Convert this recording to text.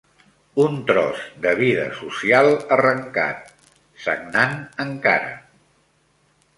Un tros de vida social arrencat, sagnant encara